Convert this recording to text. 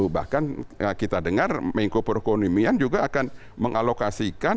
bahkan kita dengar mengko perekonomian juga akan mengalokasikan